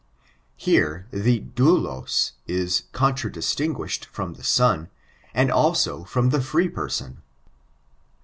Here the dotdos is contradistinguished from the son, and also from the fr ee person.